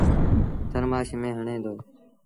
ٿرمآش ميݩ هڻي دو۔